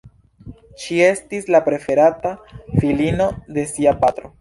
Ŝi estis la preferata filino de sia patro.